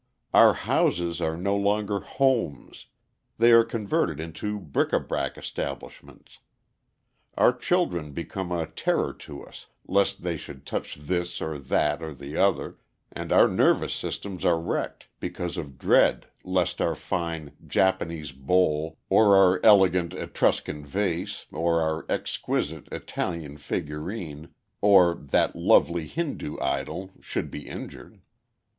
Our houses are no longer homes, they are converted into bric a brac establishments. Our children become a terror to us lest they should touch this or that or the other, and our nervous systems are wrecked because of dread lest our fine "Japanese bowl," or our elegant "Etruscan vase," or our exquisite "Italian figurine," or "that lovely Hindoo idol," should be injured.